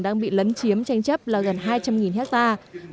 đang bị lấn chiếm tranh chấp là gần hai trăm linh hectare